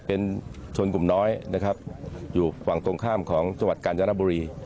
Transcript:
เป็นชนกลุ่มน้อยนะครับอยู่ฝั่งตรงข้ามของจังหวัดกาญจนบุรี